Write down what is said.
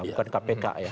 bukan kpk ya